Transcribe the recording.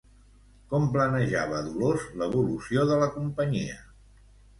Com planejava Dolors l'evolució de la companyia?